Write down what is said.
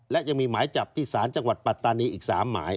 และยังมีหมายจับที่ศาลจังหวัดปัตตานีอีก๓หมาย